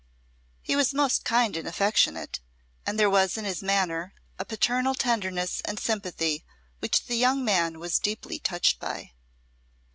He was most kind and affectionate, and there was in his manner a paternal tenderness and sympathy which the young man was deeply touched by.